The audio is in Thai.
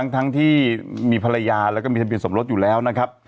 ทั้งที่มีภรรยาแล้วก็มีทะเบียสมรสอยู่แล้วนะครับ